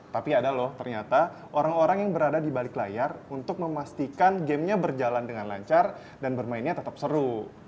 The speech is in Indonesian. tapi ada loh ternyata orang orang yang berada di balik layar untuk memastikan gamenya berjalan dengan lancar dan bermainnya tetap seru